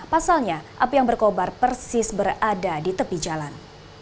pasalnya api yang berkobar persis berada di tepi jalan